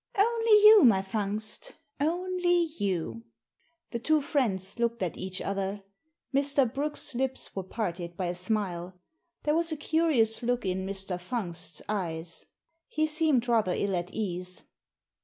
" Only you, my Fungst — only you." The two friends looked at each other. Mr. Brooke's lips were parted by a smile. There was a curious look in Mr. Fungst's eyes. He seemed rather ill at ease.